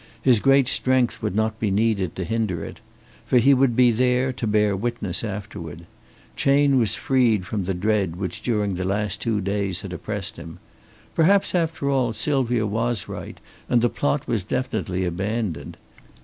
His great strength would not be needed to hinder it. For he would be there, to bear witness afterward. Chayne was freed from the dread which during the last two days had oppressed him. Perhaps after all Sylvia was right and the plot was definitely abandoned.